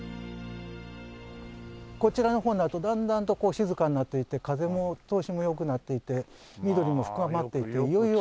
こちらの方になるとだんだんと静かになっていって風の通しも良くなっていって緑も深まっていっていよいよ。